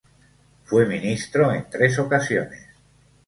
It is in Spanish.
Fue ministro en tres ocasiones.